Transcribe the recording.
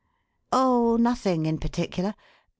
"Oh, nothing in particular.